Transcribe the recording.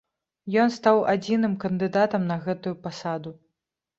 Ён стаў адзіным кандыдатам на гэтую пасаду.